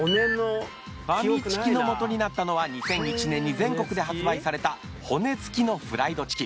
ファミチキのモトになったのは２００１年に全国で発売された骨つきのフライドチキン。